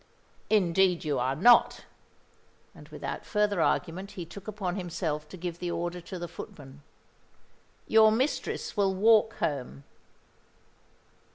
"Indeed you are not," and without further argument he took upon himself to give the order to the footman. "Your mistress will walk home."